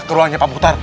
ke ruangnya pak butar